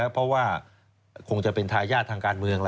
เพราะว่าคงจะเป็นทายาททางการเมือง